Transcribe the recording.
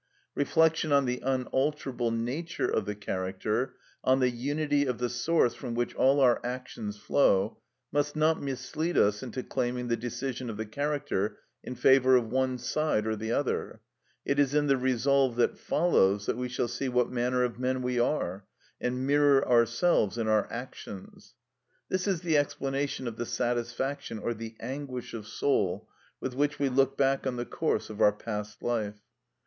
Reflection on the unalterable nature of the character, on the unity of the source from which all our actions flow, must not mislead us into claiming the decision of the character in favour of one side or the other; it is in the resolve that follows that we shall see what manner of men we are, and mirror ourselves in our actions. This is the explanation of the satisfaction or the anguish of soul with which we look back on the course of our past life.